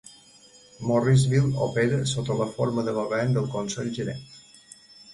Morrisville opera sota la forma de govern del Consell-Gerent.